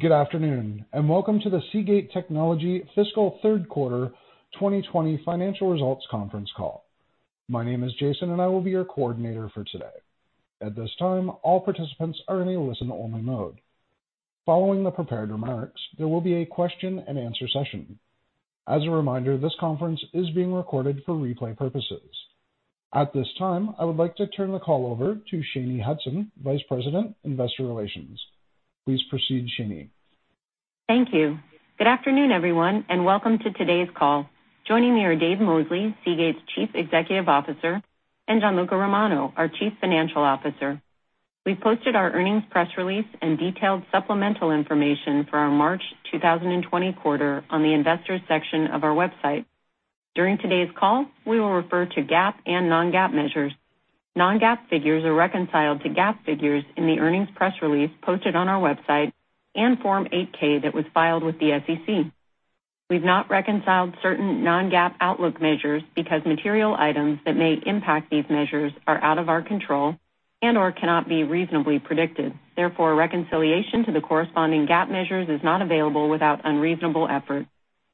Good afternoon, and welcome to the Seagate Technology fiscal third quarter 2020 financial results conference call. My name is Jason, and I will be your coordinator for today. At this time, all participants are in a listen-only mode. Following the prepared remarks, there will be a question and answer session. As a reminder, this conference is being recorded for replay purposes. At this time, I would like to turn the call over to Shanye Hudson, Vice President, Investor Relations. Please proceed, Shanye. Thank you. Good afternoon, everyone, and welcome to today's call. Joining me are Dave Mosley, Seagate's Chief Executive Officer, and Gianluca Romano, our Chief Financial Officer. We posted our earnings press release and detailed supplemental information for our March 2020 quarter on the investors section of our website. During today's call, we will refer to GAAP and non-GAAP measures. Non-GAAP figures are reconciled to GAAP figures in the earnings press release posted on our website and Form 8-K that was filed with the SEC. We've not reconciled certain non-GAAP outlook measures because material items that may impact these measures are out of our control and/or cannot be reasonably predicted. Therefore, reconciliation to the corresponding GAAP measures is not available without unreasonable effort.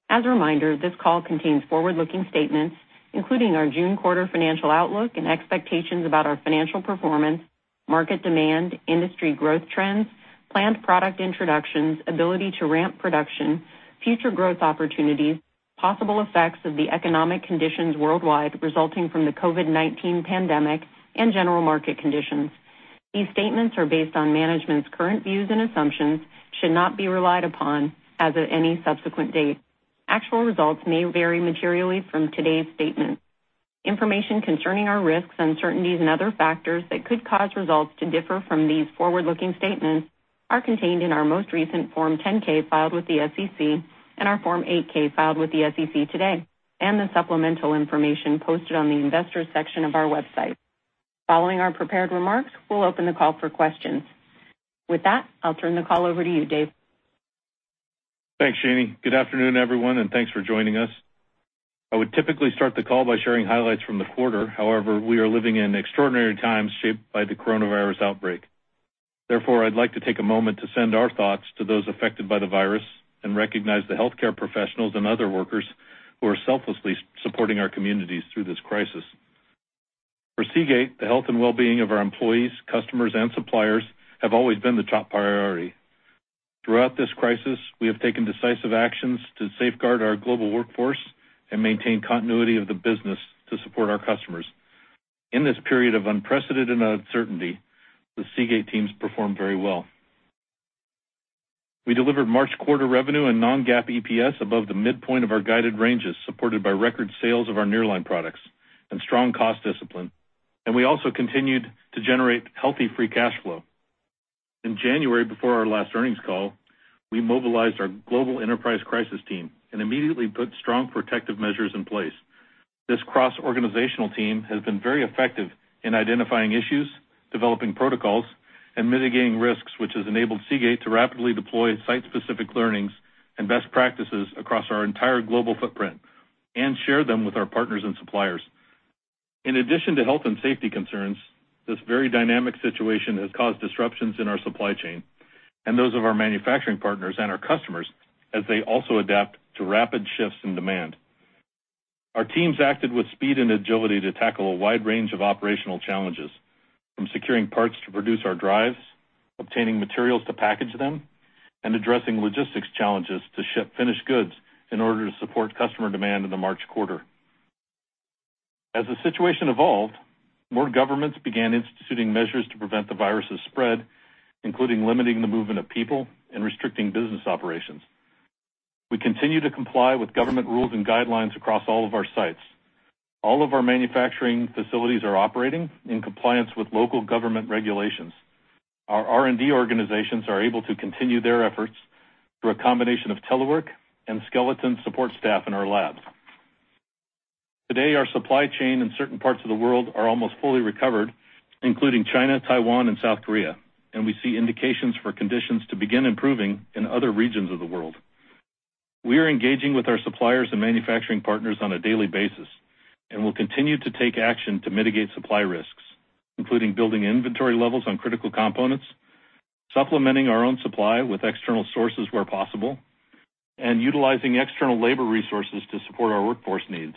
As a reminder, this call contains forward-looking statements, including our June quarter financial outlook and expectations about our financial performance, market demand, industry growth trends, planned product introductions, ability to ramp production, future growth opportunities, possible effects of the economic conditions worldwide resulting from the COVID-19 pandemic, and general market conditions. These statements are based on management's current views and assumptions should not be relied upon as of any subsequent date. Actual results may vary materially from today's statements. Information concerning our risks, uncertainties, and other factors that could cause results to differ from these forward-looking statements are contained in our most recent Form 10-K filed with the SEC and our Form 8-K filed with the SEC today, and the supplemental information posted on the investors section of our website. Following our prepared remarks, we'll open the call for questions. With that, I'll turn the call over to you, Dave. Thanks, Shanye. Good afternoon, everyone, and thanks for joining us. I would typically start the call by sharing highlights from the quarter. However, we are living in extraordinary times shaped by the coronavirus outbreak. Therefore, I'd like to take a moment to send our thoughts to those affected by the virus and recognize the healthcare professionals and other workers who are selflessly supporting our communities through this crisis. For Seagate, the health and well-being of our employees, customers, and suppliers have always been the top priority. Throughout this crisis, we have taken decisive actions to safeguard our global workforce and maintain continuity of the business to support our customers. In this period of unprecedented uncertainty, the Seagate teams performed very well. We delivered March quarter revenue and non-GAAP EPS above the midpoint of our guided ranges, supported by record sales of our Nearline products and strong cost discipline. We also continued to generate healthy free cash flow. In January, before our last earnings call, we mobilized our global enterprise crisis team and immediately put strong protective measures in place. This cross-organizational team has been very effective in identifying issues, developing protocols, and mitigating risks, which has enabled Seagate to rapidly deploy site-specific learnings and best practices across our entire global footprint and share them with our partners and suppliers. In addition to health and safety concerns, this very dynamic situation has caused disruptions in our supply chain and those of our manufacturing partners and our customers as they also adapt to rapid shifts in demand. Our teams acted with speed and agility to tackle a wide range of operational challenges, from securing parts to produce our drives, obtaining materials to package them, and addressing logistics challenges to ship finished goods in order to support customer demand in the March quarter. As the situation evolved, more governments began instituting measures to prevent the virus' spread, including limiting the movement of people and restricting business operations. We continue to comply with government rules and guidelines across all of our sites. All of our manufacturing facilities are operating in compliance with local government regulations. Our R&D organizations are able to continue their efforts through a combination of telework and skeleton support staff in our labs. Today, our supply chain in certain parts of the world are almost fully recovered, including China, Taiwan, and South Korea, and we see indications for conditions to begin improving in other regions of the world. We are engaging with our suppliers and manufacturing partners on a daily basis and will continue to take action to mitigate supply risks, including building inventory levels on critical components, supplementing our own supply with external sources where possible, and utilizing external labor resources to support our workforce needs.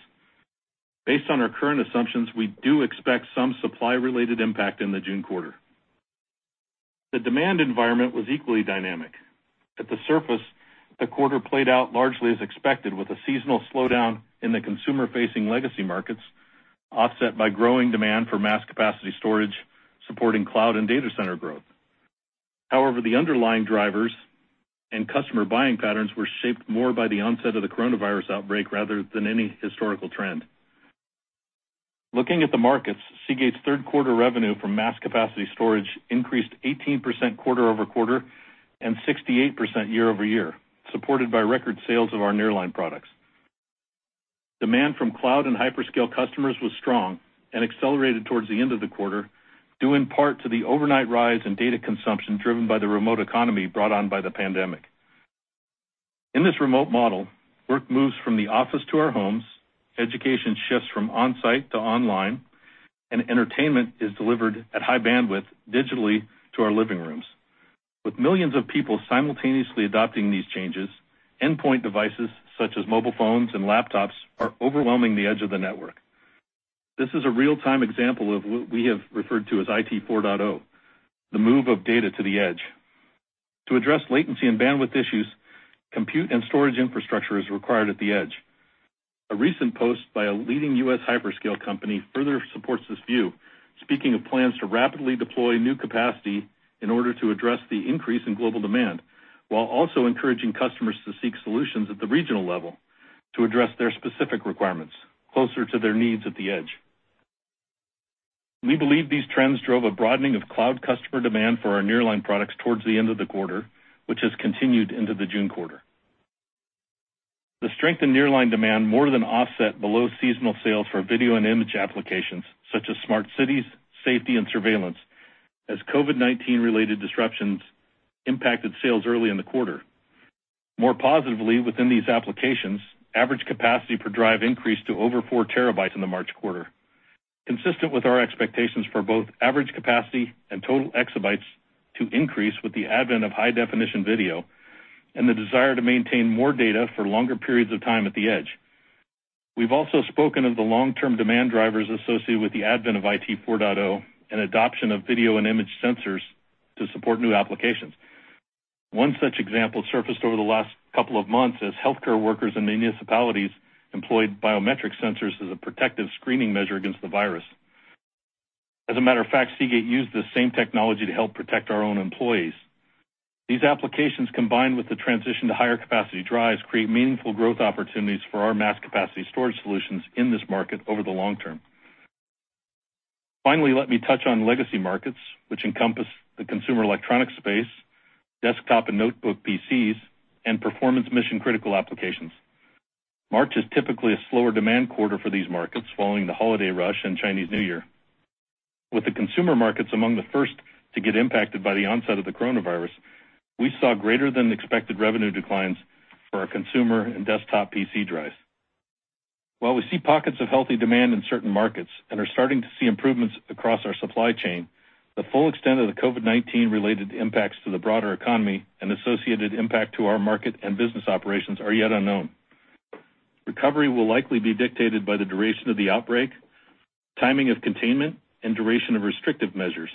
Based on our current assumptions, we do expect some supply-related impact in the June quarter. The demand environment was equally dynamic. At the surface, the quarter played out largely as expected, with a seasonal slowdown in the consumer-facing legacy markets offset by growing demand for mass capacity storage supporting cloud and data center growth. However, the underlying drivers and customer buying patterns were shaped more by the onset of the coronavirus outbreak rather than any historical trend. Looking at the markets, Seagate's third quarter revenue from mass capacity storage increased 18% quarter-over-quarter and 68% year-over-year, supported by record sales of our Nearline products. Demand from cloud and hyperscale customers was strong and accelerated towards the end of the quarter, due in part to the overnight rise in data consumption driven by the remote economy brought on by the pandemic. In this remote model, work moves from the office to our homes, education shifts from on-site to online, and entertainment is delivered at high bandwidth digitally to our living rooms. With millions of people simultaneously adopting these changes, endpoint devices such as mobile phones and laptops are overwhelming the edge of the network. This is a real-time example of what we have referred to as IT 4.0, the move of data to the edge. To address latency and bandwidth issues, compute and storage infrastructure is required at the edge. A recent post by a leading U.S. hyperscale company further supports this view, speaking of plans to rapidly deploy new capacity in order to address the increase in global demand, while also encouraging customers to seek solutions at the regional level to address their specific requirements closer to their needs at the edge. We believe these trends drove a broadening of cloud customer demand for our Nearline products towards the end of the quarter, which has continued into the June quarter. The strength in Nearline demand more than offset below seasonal sales for video and image applications such as smart cities, safety, and surveillance, as COVID-19 related disruptions impacted sales early in the quarter. More positively within these applications, average capacity per drive increased to over 4 TB in the March quarter, consistent with our expectations for both average capacity and total exabytes to increase with the advent of high-definition video and the desire to maintain more data for longer periods of time at the edge. We've also spoken of the long-term demand drivers associated with the advent of IT 4.0 and adoption of video and image sensors to support new applications. One such example surfaced over the last couple of months as healthcare workers in municipalities employed biometric sensors as a protective screening measure against the virus. As a matter of fact, Seagate Technology used this same technology to help protect our own employees. These applications, combined with the transition to higher capacity drives, create meaningful growth opportunities for our mass capacity storage solutions in this market over the long term. Finally, let me touch on legacy markets, which encompass the consumer electronics space, desktop and notebook PCs, and performance mission-critical applications. March is typically a slower demand quarter for these markets following the holiday rush and Chinese New Year. With the consumer markets among the first to get impacted by the onset of the coronavirus, we saw greater than expected revenue declines for our consumer and desktop PC drives. While we see pockets of healthy demand in certain markets and are starting to see improvements across our supply chain, the full extent of the COVID-19 related impacts to the broader economy and associated impact to our market and business operations are yet unknown. Recovery will likely be dictated by the duration of the outbreak, timing of containment, and duration of restrictive measures.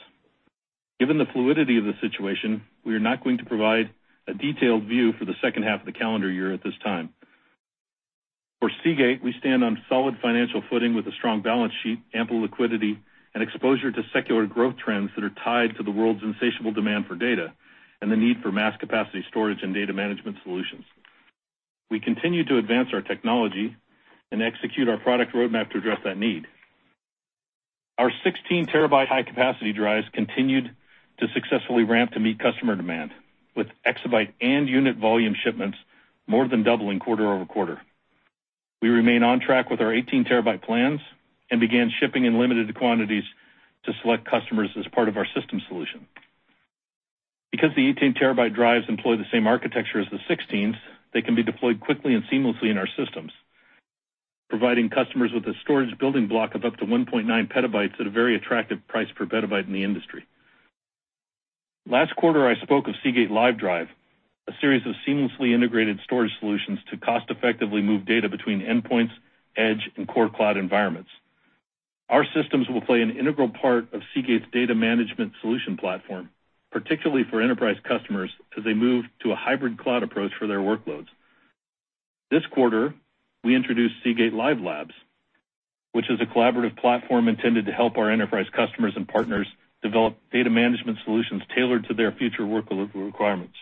Given the fluidity of the situation, we are not going to provide a detailed view for the second half of the calendar year at this time. For Seagate, we stand on solid financial footing with a strong balance sheet, ample liquidity, and exposure to secular growth trends that are tied to the world's insatiable demand for data and the need for mass capacity storage and data management solutions. We continue to advance our technology and execute our product roadmap to address that need. Our 16 TB high-capacity drives continued to successfully ramp to meet customer demand, with exabyte and unit volume shipments more than doubling quarter-over-quarter. We remain on track with our 18 TB plans and began shipping in limited quantities to select customers as part of our system solution. Because the 18 TB drives employ the same architecture as the 16s, they can be deployed quickly and seamlessly in our systems, providing customers with a storage building block of up to 1.9 petabytes at a very attractive price per petabyte in the industry. Last quarter, I spoke of Seagate Lyve Drive, a series of seamlessly integrated storage solutions to cost effectively move data between endpoints, edge, and core cloud environments. Our systems will play an integral part of Seagate's data management solution platform, particularly for enterprise customers as they move to a hybrid cloud approach for their workloads. This quarter, we introduced Seagate Lyve Labs, which is a collaborative platform intended to help our enterprise customers and partners develop data management solutions tailored to their future work requirements.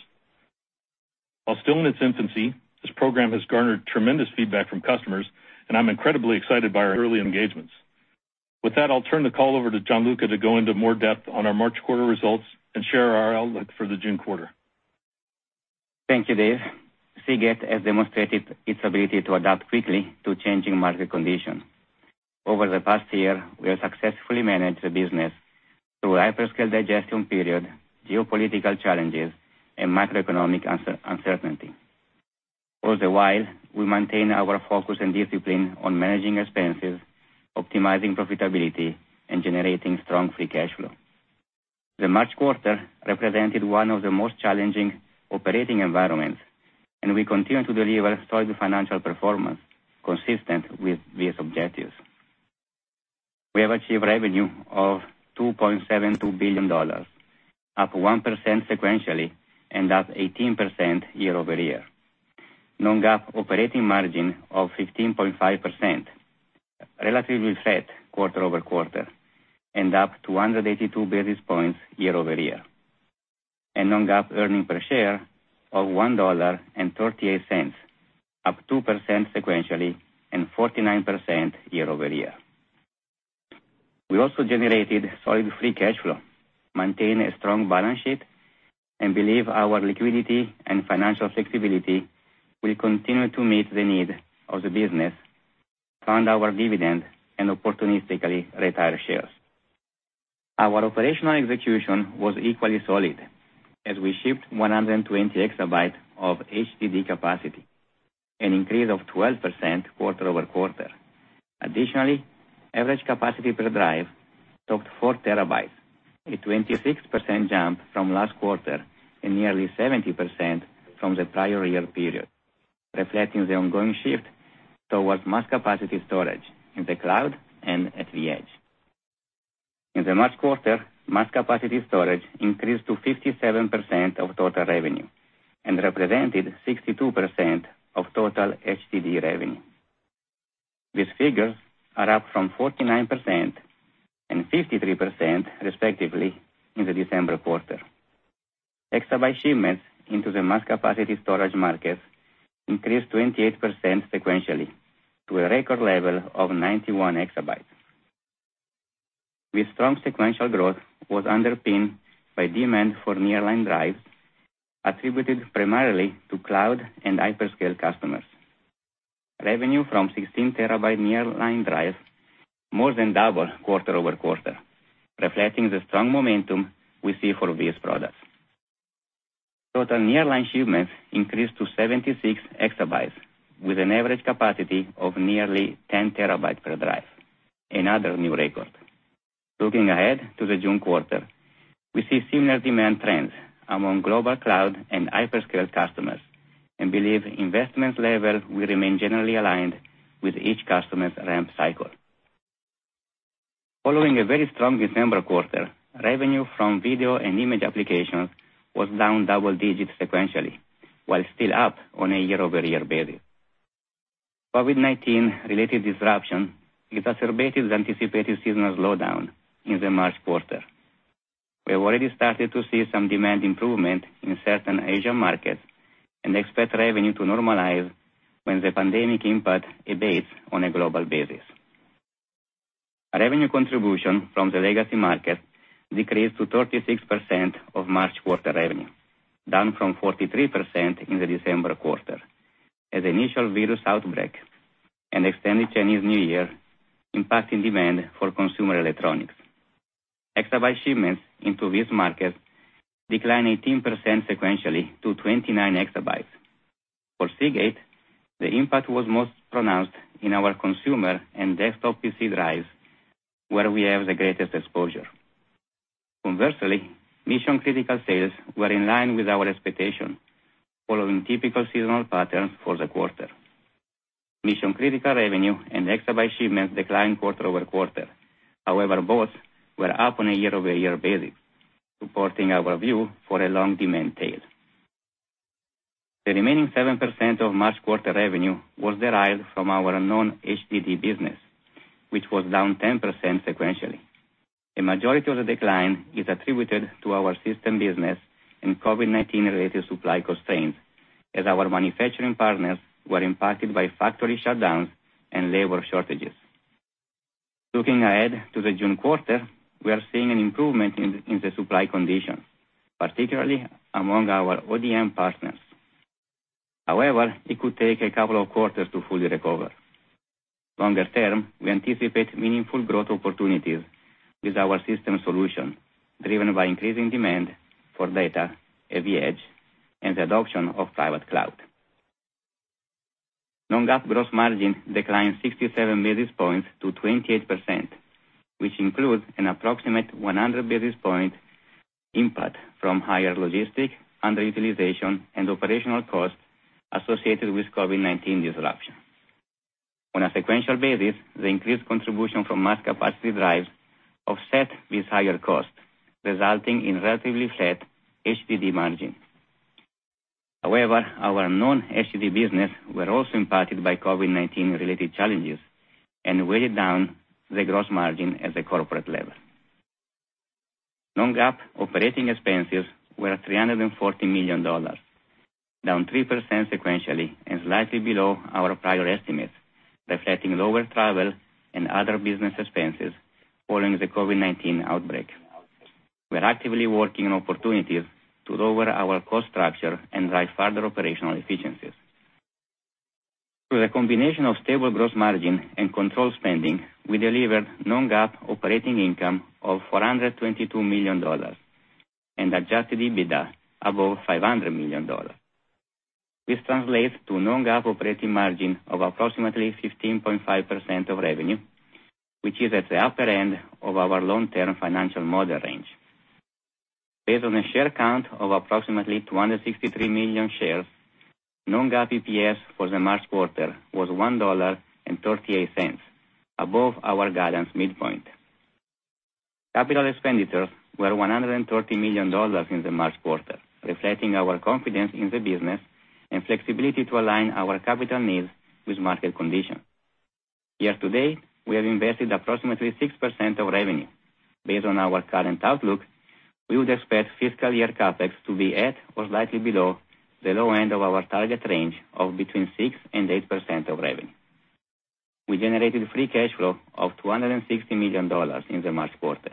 While still in its infancy, this program has garnered tremendous feedback from customers, and I'm incredibly excited by our early engagements. With that, I'll turn the call over to Gianluca to go into more depth on our March quarter results and share our outlook for the June quarter. Thank you, Dave. Seagate has demonstrated its ability to adapt quickly to changing market conditions. Over the past year, we have successfully managed the business through a hyperscale digestion period, geopolitical challenges, and macroeconomic uncertainty. All the while, we maintain our focus and discipline on managing expenses, optimizing profitability, and generating strong free cash flow. The March quarter represented one of the most challenging operating environments, and we continue to deliver solid financial performance consistent with these objectives. We have achieved revenue of $2.72 billion, up 1% sequentially and up 18% year-over-year. Non-GAAP operating margin of 15.5%, relatively flat quarter-over-quarter, and up 282 basis points year-over-year. Non-GAAP earnings per share of $1.38, up 2% sequentially and 49% year-over-year. We also generated solid free cash flow, maintained a strong balance sheet, and believe our liquidity and financial flexibility will continue to meet the need of the business, fund our dividend, and opportunistically retire shares. Our operational execution was equally solid as we shipped 120 exabytes of HDD capacity, an increase of 12% quarter-over-quarter. Additionally, average capacity per drive topped 4 TB, a 26% jump from last quarter and nearly 70% from the prior year period, reflecting the ongoing shift towards mass capacity storage in the cloud and at the edge. In the March quarter, mass capacity storage increased to 57% of total revenue and represented 62% of total HDD revenue. These figures are up from 49% and 53%, respectively, in the December quarter. Exabyte shipments into the mass capacity storage markets increased 28% sequentially to a record level of 91 exabytes. This strong sequential growth was underpinned by demand for Nearline drives attributed primarily to cloud and hyperscale customers. Revenue from 16 TB Nearline drives more than doubled quarter-over-quarter, reflecting the strong momentum we see for these products. Total Nearline shipments increased to 76 exabytes with an average capacity of nearly 10 TB per drive, another new record. Looking ahead to the June quarter, we see similar demand trends among global cloud and hyperscale customers and believe investment levels will remain generally aligned with each customer's ramp cycle. Following a very strong December quarter, revenue from video and image applications was down double digits sequentially while still up on a year-over-year basis. COVID-19 related disruption exacerbated the anticipated seasonal slowdown in the March quarter. We have already started to see some demand improvement in certain Asian markets and expect revenue to normalize when the pandemic impact abates on a global basis. Revenue contribution from the legacy market decreased to 36% of March quarter revenue, down from 43% in the December quarter as initial virus outbreak and extended Chinese New Year impacting demand for consumer electronics. exabyte shipments into this market declined 18% sequentially to 29 exabytes. For Seagate, the impact was most pronounced in our consumer and desktop PC drives, where we have the greatest exposure. Conversely, mission-critical sales were in line with our expectations, following typical seasonal patterns for the quarter. Mission-critical revenue and exabyte shipments declined quarter-over-quarter. However, both were up on a year-over-year basis, supporting our view for a long demand tail. The remaining 7% of March quarter revenue was derived from our non-HDD business, which was down 10% sequentially. A majority of the decline is attributed to our system business and COVID-19 related supply constraints, as our manufacturing partners were impacted by factory shutdowns and labor shortages. Looking ahead to the June quarter, we are seeing an improvement in the supply conditions, particularly among our ODM partners. However, it could take a couple of quarters to fully recover. Longer term, we anticipate meaningful growth opportunities with our system solution driven by increasing demand for data at the edge and the adoption of private cloud. Non-GAAP gross margin declined 67 basis points to 28%, which includes an approximate 100 basis point impact from higher logistic underutilization and operational costs associated with COVID-19 disruption. On a sequential basis, the increased contribution from mass capacity drives offset this higher cost, resulting in relatively flat HDD margin. However, our non-HDD business were also impacted by COVID-19 related challenges and weighted down the gross margin at the corporate level. Non-GAAP operating expenses were $340 million, down 3% sequentially and slightly below our prior estimates, reflecting lower travel and other business expenses following the COVID-19 outbreak. We're actively working on opportunities to lower our cost structure and drive further operational efficiencies. Through the combination of stable gross margin and controlled spending, we delivered non-GAAP operating income of $422 million and adjusted EBITDA above $500 million. This translates to non-GAAP operating margin of approximately 15.5% of revenue, which is at the upper end of our long-term financial model range. Based on a share count of approximately 263 million shares, non-GAAP EPS for the March quarter was $1.38, above our guidance midpoint. Capital expenditures were $130 million in the March quarter, reflecting our confidence in the business and flexibility to align our capital needs with market conditions. Year to date, we have invested approximately 6% of revenue. Based on our current outlook, we would expect fiscal year CapEx to be at or slightly below the low end of our target range of between 6% and 8% of revenue. We generated free cash flow of $260 million in the March quarter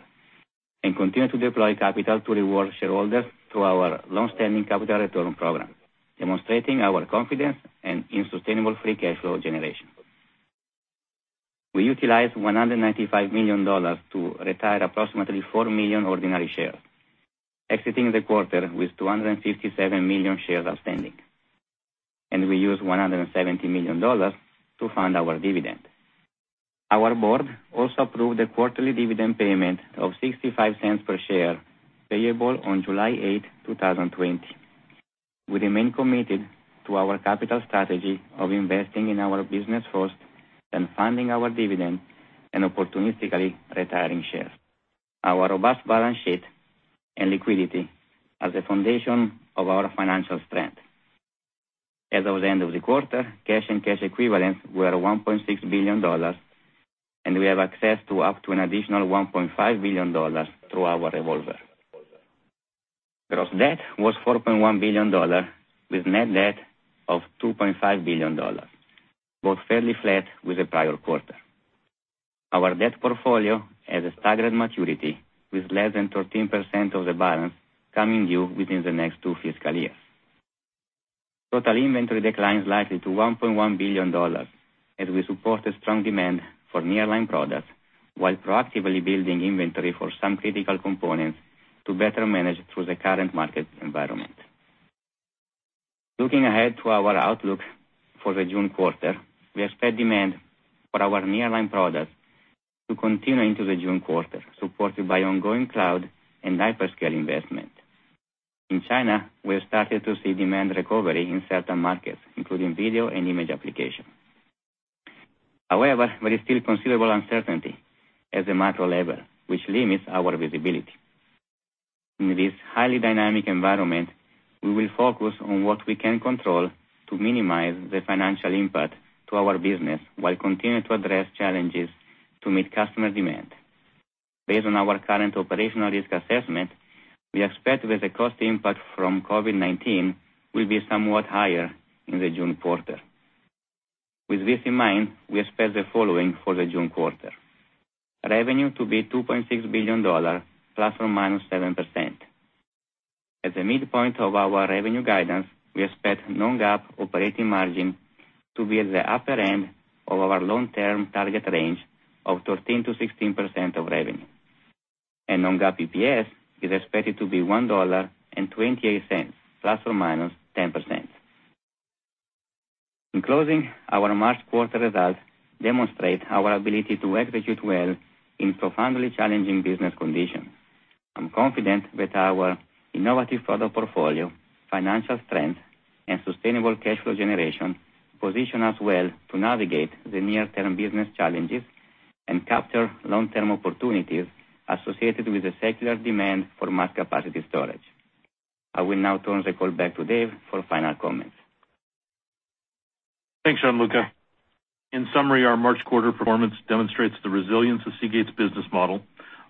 and continue to deploy capital to reward shareholders through our longstanding capital return program, demonstrating our confidence and sustainable free cash flow generation. We utilized $195 million to retire approximately 4 million ordinary shares, exiting the quarter with 257 million shares outstanding. We used $170 million to fund our dividend. Our board also approved a quarterly dividend payment of $0.65 per share, payable on July 8, 2020. We remain committed to our capital strategy of investing in our business first, then funding our dividend, and opportunistically retiring shares. Our robust balance sheet and liquidity are the foundation of our financial strength. As of the end of the quarter, cash and cash equivalents were $1.6 billion, and we have access to up to an additional $1.5 billion through our revolver. Gross debt was $4.1 billion with net debt of $2.5 billion, both fairly flat with the prior quarter. Our debt portfolio has a staggered maturity, with less than 13% of the balance coming due within the next two fiscal years. Total inventory declines likely to $1.1 billion as we support a strong demand for Nearline products while proactively building inventory for some critical components to better manage through the current market environment. Looking ahead to our outlook for the June quarter, we expect demand for our Nearline products to continue into the June quarter, supported by ongoing cloud and hyperscale investment. In China, we have started to see demand recovery in certain markets, including video and image application. However, there is still considerable uncertainty at the macro level, which limits our visibility. In this highly dynamic environment, we will focus on what we can control to minimize the financial impact to our business while continuing to address challenges to meet customer demand. Based on our current operational risk assessment, we expect that the cost impact from COVID-19 will be somewhat higher in the June quarter. With this in mind, we expect the following for the June quarter. Revenue to be $2.6 billion ±7%. At the midpoint of our revenue guidance, we expect non-GAAP operating margin to be at the upper end of our long-term target range of 13%-16% of revenue. non-GAAP EPS is expected to be $1.28 ±10%. In closing, our March quarter results demonstrate our ability to execute well in profoundly challenging business conditions. I'm confident that our innovative product portfolio, financial strength, and sustainable cash flow generation position us well to navigate the near-term business challenges and capture long-term opportunities associated with the secular demand for mass capacity storage. I will now turn the call back to Dave for final comments. Thanks, Gianluca. In summary, our March quarter performance demonstrates the resilience of Seagate's business model,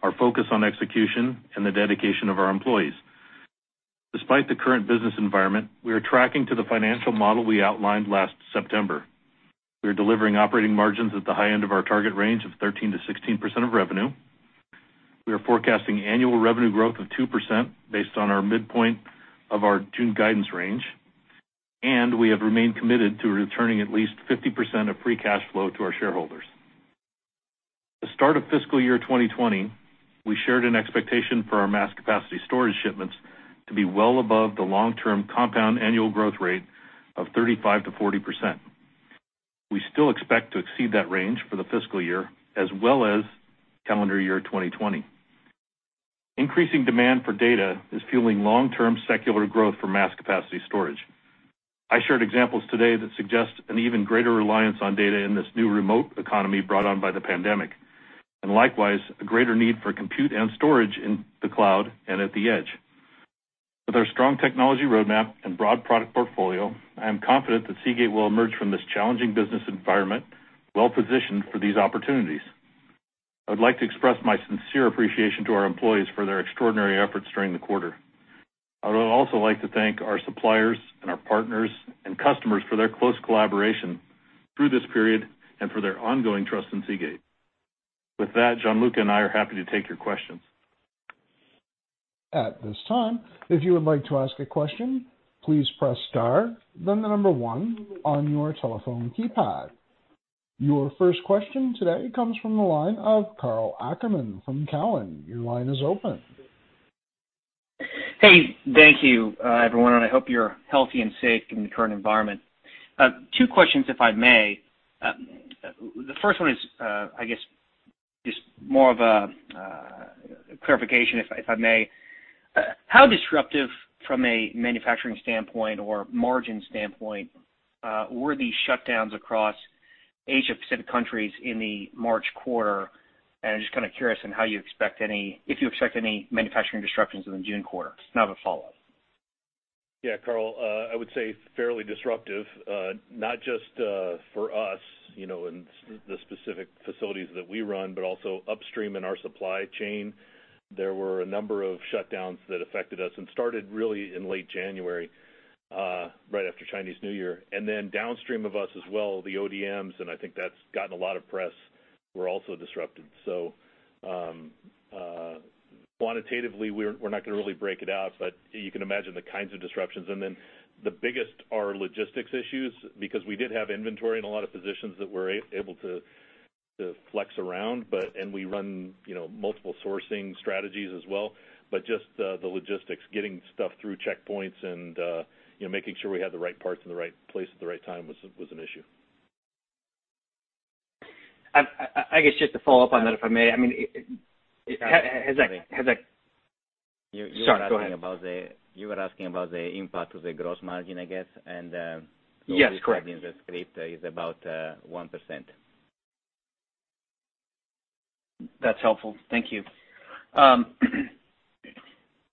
our focus on execution, and the dedication of our employees. Despite the current business environment, we are tracking to the financial model we outlined last September. We are delivering operating margins at the high end of our target range of 13%-16% of revenue. We are forecasting annual revenue growth of 2% based on our midpoint of our June guidance range. We have remained committed to returning at least 50% of free cash flow to our shareholders. At the start of fiscal year 2020, we shared an expectation for our mass capacity storage shipments to be well above the long-term compound annual growth rate of 35%-40%. We still expect to exceed that range for the fiscal year as well as calendar year 2020. Increasing demand for data is fueling long-term secular growth for mass capacity storage. I shared examples today that suggest an even greater reliance on data in this new remote economy brought on by the pandemic, and likewise, a greater need for compute and storage in the cloud and at the edge. With our strong technology roadmap and broad product portfolio, I am confident that Seagate will emerge from this challenging business environment well-positioned for these opportunities. I would like to express my sincere appreciation to our employees for their extraordinary efforts during the quarter. I would also like to thank our suppliers and our partners and customers for their close collaboration through this period and for their ongoing trust in Seagate. With that, Gianluca and I are happy to take your questions. At this time, if you would like to ask a question, please press star, then the number one on your telephone keypad. Your first question today comes from the line of Karl Ackerman from Cowen. Your line is open. Hey. Thank you, everyone, and I hope you're healthy and safe in the current environment. Two questions, if I may. The first one is, I guess, just more of a clarification, if I may. How disruptive from a manufacturing standpoint or margin standpoint were these shutdowns across Asia Pacific countries in the March quarter? I'm just kind of curious in how you expect any manufacturing disruptions in the June quarter. I have a follow-up. Yeah, Karl. I would say fairly disruptive. Not just for us, in the specific facilities that we run, but also upstream in our supply chain. There were a number of shutdowns that affected us, started really in late January, right after Chinese New Year. Downstream of us as well, the ODMs, and I think that's gotten a lot of press, were also disrupted. Quantitatively, we're not going to really break it out, but you can imagine the kinds of disruptions. The biggest are logistics issues, because we did have inventory in a lot of positions that we're able to flex around, and we run multiple sourcing strategies as well. Just the logistics, getting stuff through checkpoints and making sure we had the right parts in the right place at the right time was an issue. I guess just to follow up on that, if I may. You were asking about the impact of the gross margin, I guess. Yes, correct in the script is about 1%. That's helpful. Thank you. To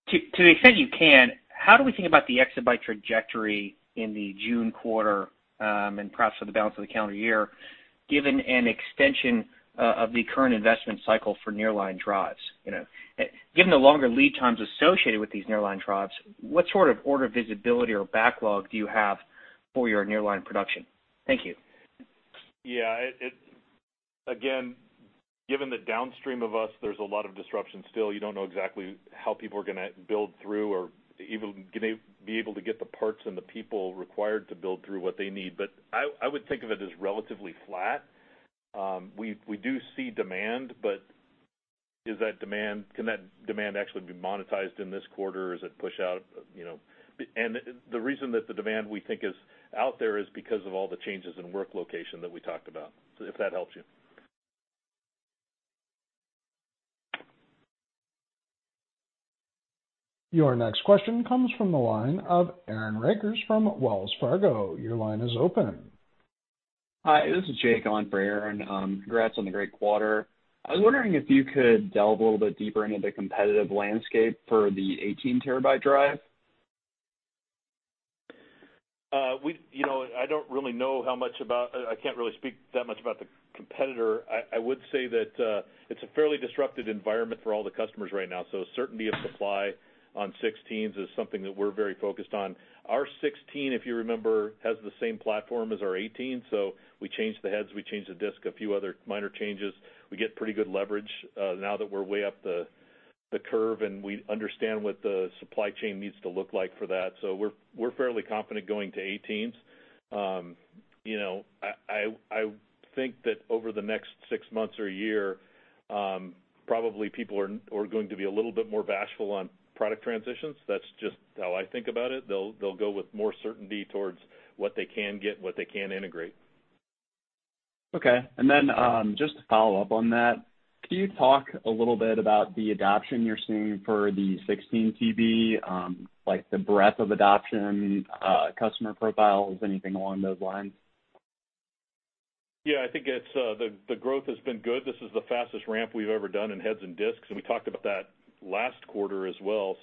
the extent you can, how do we think about the exabyte trajectory in the June quarter, and perhaps for the balance of the calendar year, given an extension of the current investment cycle for Nearline drives? Given the longer lead times associated with these Nearline drives, what sort of order visibility or backlog do you have for your Nearline production? Thank you. Yeah. Again, given the downstream of us, there's a lot of disruption still. You don't know exactly how people are going to build through or even going to be able to get the parts and the people required to build through what they need. I would think of it as relatively flat. We do see demand, but can that demand actually be monetized in this quarter? Is it push out? The reason that the demand we think is out there is because of all the changes in work location that we talked about, so if that helps you. Your next question comes from the line of Aaron Rakers from Wells Fargo. Your line is open. Hi, this is Jake on for Aaron. Congrats on the great quarter. I was wondering if you could delve a little bit deeper into the competitive landscape for the 18-TB drive. I don't really know. I can't really speak that much about the competitor. I would say that it's a fairly disruptive environment for all the customers right now, certainty of supply on 16s is something that we're very focused on. Our 16, if you remember, has the same platform as our 18. We changed the heads, we changed the disk, a few other minor changes. We get pretty good leverage now that we're way up the curve, and we understand what the supply chain needs to look like for that. We're fairly confident going to 18s. I think that over the next six months or a year, probably people are going to be a little bit more bashful on product transitions. That's just how I think about it. They'll go with more certainty towards what they can get and what they can integrate. Just to follow up on that, can you talk a little bit about the adoption you're seeing for the 16 TB, like the breadth of adoption, customer profiles, anything along those lines? I think the growth has been good. This is the fastest ramp we've ever done in heads and disks, and we talked about that last quarter as well.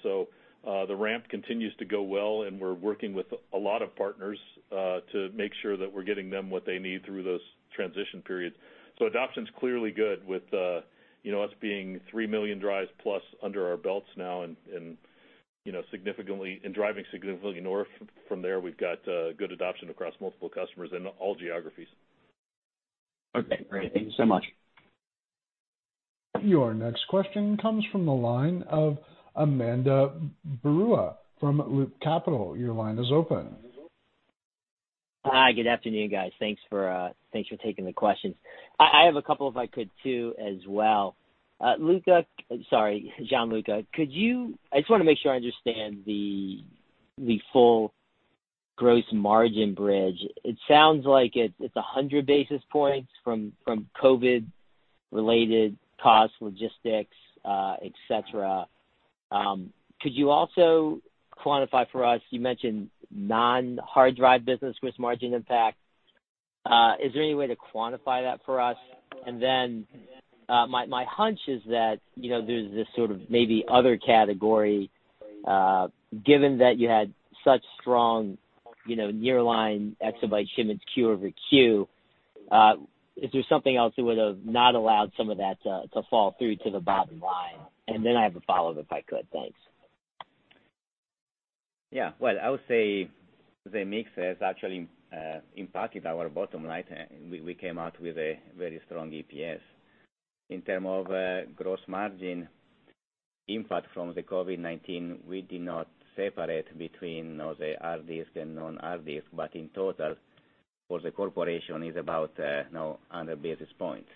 The ramp continues to go well, and we're working with a lot of partners to make sure that we're getting them what they need through those transition periods. Adoption is clearly good with us being 3 million drives plus under our belts now, and driving significantly north from there. We've got good adoption across multiple customers in all geographies. Okay, great. Thank you so much. Your next question comes from the line of Ananda Baruah from Loop Capital. Your line is open. Hi, good afternoon, guys. Thanks for taking the questions. I have a couple if I could too as well. Gianluca, I just want to make sure I understand the full gross margin bridge. It sounds like it's 100 basis points from COVID-related cost logistics, et cetera. Could you also quantify for us, you mentioned non-hard drive business gross margin impact. Is there any way to quantify that for us? My hunch is that there's this sort of maybe other category, given that you had such strong Nearline exabyte shipments QoQ, is there something else that would have not allowed some of that to fall through to the bottom line? I have a follow-up, if I could. Thanks. Yeah. Well, I would say the mix has actually impacted our bottom line. We came out with a very strong EPS. In terms of gross margin impact from the COVID-19, we did not separate between the hard disk and non-hard disk, but in total for the corporation is about 100 basis points.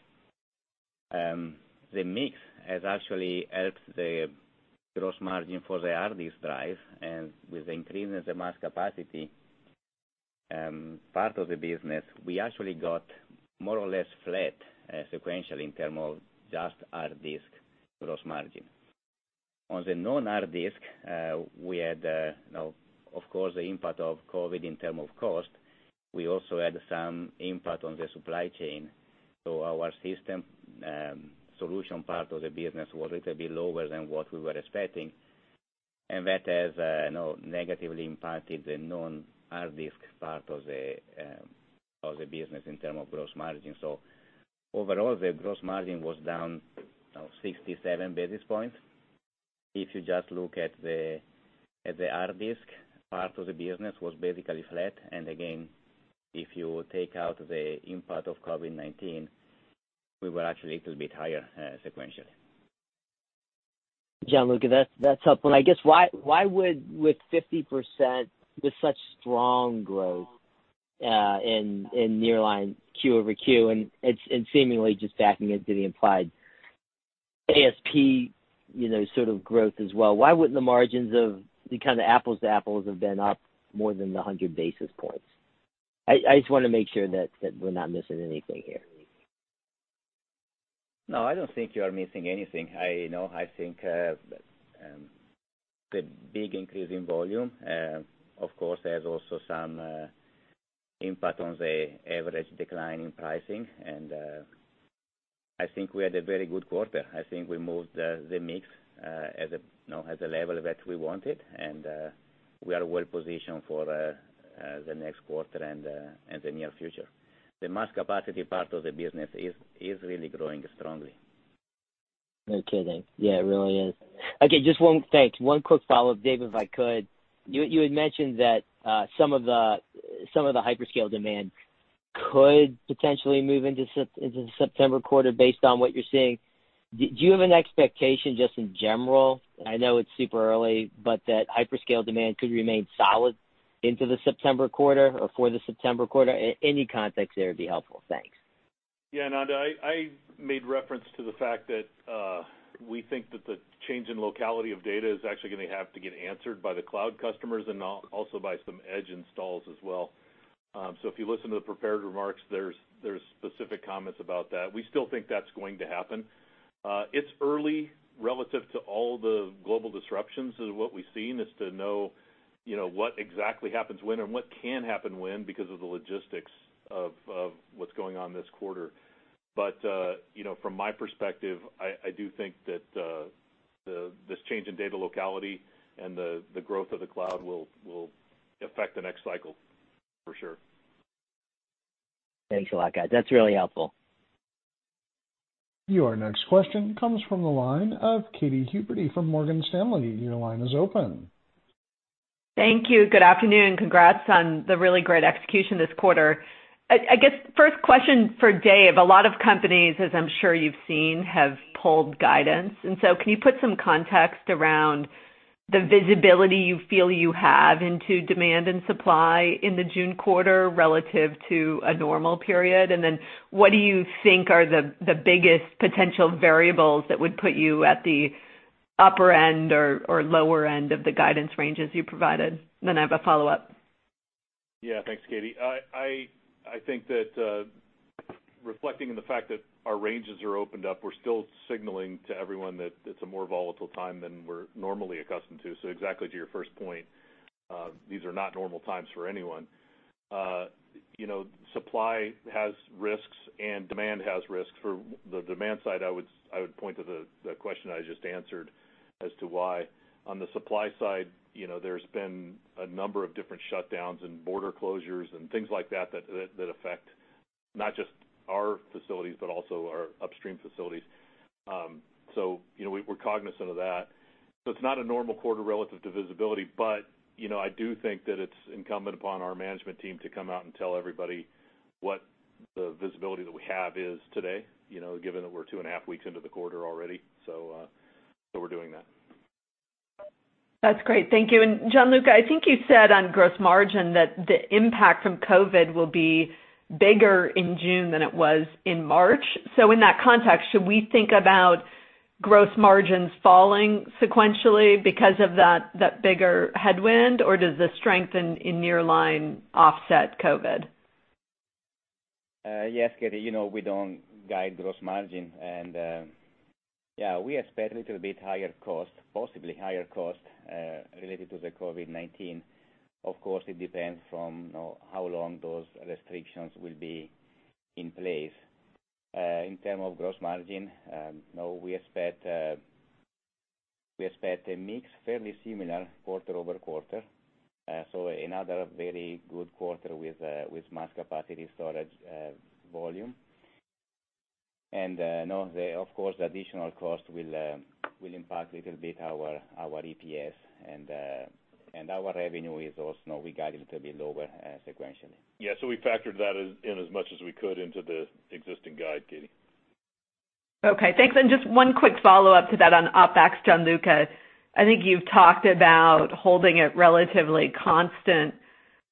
The mix has actually helped the gross margin for the hard disk drive, and with the increase in the mass capacity part of the business, we actually got more or less flat sequential in terms of just hard disk gross margin. On the non-hard disk, we had, of course, the impact of COVID in terms of cost. We also had some impact on the supply chain. Our system solution part of the business was a little bit lower than what we were expecting, and that has negatively impacted the non-hard disk part of the business in terms of gross margin. Overall, the gross margin was down 67 basis points. If you just look at the hard disk part of the business was basically flat. Again, if you take out the impact of COVID-19, we were actually a little bit higher sequentially. Gianluca, that's helpful. I guess why would, with 50%, with such strong growth in Nearline quarter-over-quarter and seemingly just backing as Dave implied, ASP sort of growth as well, why wouldn't the margins of the kind of apples to apples have been up more than the 100 basis points? I just want to make sure that we're not missing anything here. No, I don't think you are missing anything. I think the big increase in volume, of course, has also some impact on the average decline in pricing. I think we had a very good quarter. I think we moved the mix at the level that we wanted, and we are well positioned for the next quarter and the near future. The mass capacity part of the business is really growing strongly. No kidding. Yeah, it really is. Okay. Thanks. One quick follow-up, Dave, if I could. You had mentioned that some of the hyperscale demand could potentially move into the September quarter based on what you're seeing. Do you have an expectation just in general, I know it's super early, but that hyperscale demand could remain solid into the September quarter or for the September quarter? Any context there would be helpful. Thanks. Yeah, Ananda, I made reference to the fact that we think that the change in locality of data is actually going to have to get answered by the cloud customers and also by some edge installs as well. If you listen to the prepared remarks, there's specific comments about that. We still think that's going to happen. It's early relative to all the global disruptions of what we've seen is to know what exactly happens when and what can happen when because of the logistics of what's going on this quarter. From my perspective, I do think that this change in data locality and the growth of the cloud will affect the next cycle for sure. Thanks a lot, guys. That's really helpful. Your next question comes from the line of Katy Huberty from Morgan Stanley. Your line is open. Thank you. Good afternoon. Congrats on the really great execution this quarter. I guess first question for Dave. A lot of companies, as I'm sure you've seen, have pulled guidance. Can you put some context around the visibility you feel you have into demand and supply in the June quarter relative to a normal period? What do you think are the biggest potential variables that would put you at the upper end or lower end of the guidance ranges you provided? I have a follow-up. Yeah. Thanks, Katy. I think that reflecting on the fact that our ranges are opened up, we're still signaling to everyone that it's a more volatile time than we're normally accustomed to. Exactly to your first point, these are not normal times for anyone. Supply has risks and demand has risks. For the demand side, I would point to the question I just answered as to why. On the supply side, there's been a number of different shutdowns and border closures and things like that affect not just our facilities, but also our upstream facilities. We're cognizant of that. It's not a normal quarter relative to visibility, but I do think that it's incumbent upon our management team to come out and tell everybody what the visibility that we have is today, given that we're two and a half weeks into the quarter already. We're doing that. That's great. Thank you. Gianluca, I think you said on gross margin that the impact from COVID will be bigger in June than it was in March. In that context, should we think about gross margins falling sequentially because of that bigger headwind, or does the strength in Nearline offset COVID? Yes, Katy. We don't guide gross margin. Yeah, we expect a little bit higher cost, possibly higher cost, related to the COVID-19. Of course, it depends from how long those restrictions will be in place. In terms of gross margin, we expect a mix fairly similar quarter-over-quarter. Another very good quarter with mass capacity storage volume. Of course, the additional cost will impact little bit our EPS and our revenue is also, we guide a little bit lower sequentially. Yeah. We factored that in as much as we could into the existing guide, Katy. Okay, thanks. Just one quick follow-up to that on OpEx, Gianluca. I think you've talked about holding it relatively constant